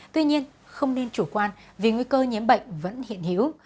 tuy nhiên không nên chủ quan vì nguy cơ nhiễm bệnh vẫn hiện hữu